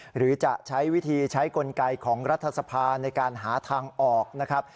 หรือจะใช้วิธีใช้กลไกของรัฐสภาในการหาทางออกนะครับ